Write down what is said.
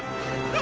あ！